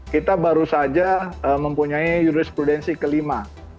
kita baru saja mempunyai jurisprudensi kelima